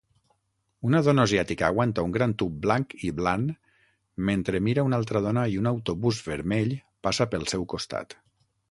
Una dona asiàtica aguanta un gran tub blanc i blan mentre mira una altra dona i un autobús vermell passa pel seu costat